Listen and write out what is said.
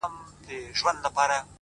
زړه تا دا كيسه شــــــــــروع كــړه”